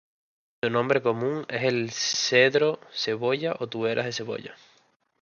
Su nombre común es el cedro cebolla o turberas de cebolla.